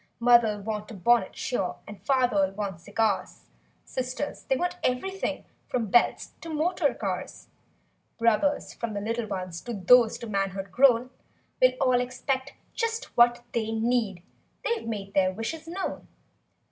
Mother'll want a bonnet, sure. And father'll want cigars; Sisters—they'll want everything From belts to motor cars; Brothers—from the little ones To those to manhood grown— Will all expect just what they need They've made their wishes known.